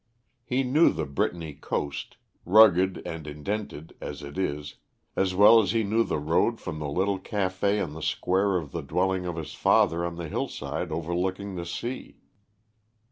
He knew the Brittany coast, rugged and indented as it is, as well as he knew the road from the little café on the square to the dwelling of his father on the hillside overlooking the sea.